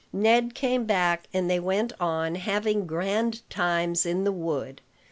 Ned came back, and they went on, having grand times in the wood.